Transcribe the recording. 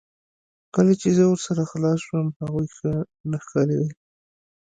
کله چې زه ورسره خلاص شوم هغوی ښه نه ښکاریدل